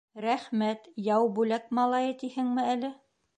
Рәхмәт, Яубүләк малайы тиһеңме әле?